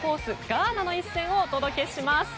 ガーナの一戦をお届けします。